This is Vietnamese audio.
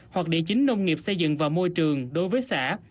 hoặc địa chính nông nghiệp xây dựng và môi trường đối với xã